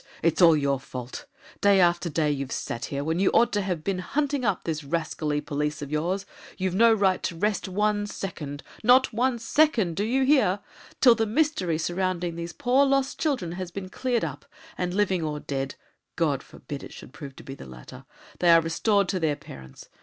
it's all your fault! Day after day you've sat here, when you ought to have been hunting up these rascally police of yours. You've no right to rest one second not one second, do you hear? till the mystery surrounding these poor lost children has been cleared up, and, living or dead God forbid it should prove to be the latter! they are restored to their parents.